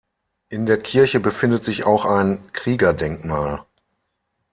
In der Kirche befindet sich auch ein Kriegerdenkmal.